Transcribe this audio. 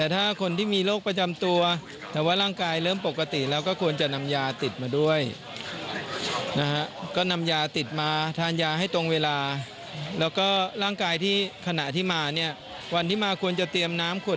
ติดกระเป๋ามาสักหน่อย